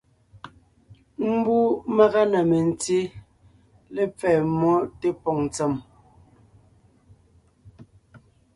Mbú màga na mentí lepfɛ́ mmó tépòŋ ntsèm,